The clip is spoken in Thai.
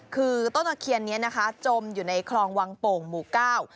คือต้นตะเคียนนี้นะคะจมอยู่ในคลองวังโป่งหมู่เก้า